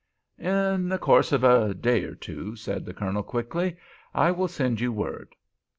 "In the course of a day or two," said the Colonel, quickly. "I will send you word."